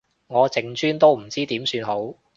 我淨專都唔知點算好